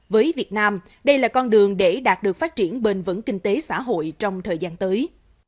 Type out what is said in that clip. với việt nam đây là con đường để đạt được phát triển bền vững kinh tế xã hội trong thời gian tới